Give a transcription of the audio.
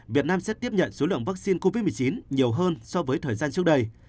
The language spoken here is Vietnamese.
việt nam sẽ tiếp nhận số lượng vaccine covid một mươi chín nhiều hơn so với thời gian trước đây